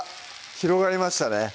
広がりましたね